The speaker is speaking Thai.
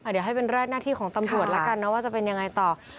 เดี๋ยวให้เป็นแรกหน้าที่ของตำรวจแล้วกันนะว่าจะเป็นยังไงต่อ